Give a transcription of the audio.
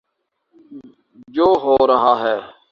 جو ہو رہا ہے۔